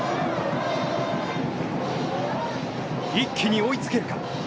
一気に追いつけるか。